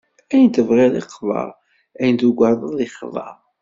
Ayen tebɣiḍ iqḍa, ayen tugadeḍ ixḍa!